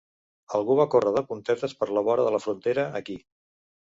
Algú va córrer de puntetes per la vora de la frontera aquí.